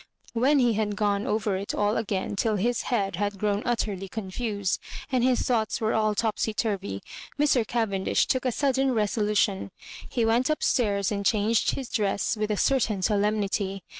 When he had gone over it all again till his head had grown utterly confused and his thoughts were all topsy turvyj Mr. Cavendish took a sudden resolution. He went up stairs and changed his dress with a certain solemnity.